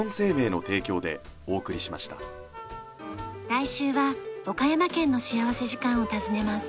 来週は岡山県の幸福時間を訪ねます。